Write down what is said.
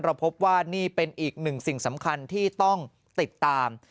พบว่านี่เป็นอีกหนึ่งสิ่งสำคัญที่ต้องติดตาม